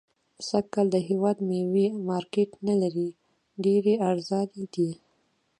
سږ کال د هيواد ميوي مارکيټ نلري .ډيري ارزانه دي